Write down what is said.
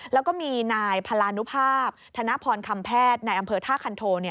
แล้วก็มีนายพลานุภาพธนพรคำแพทย์ในอำเภอท่าคันโท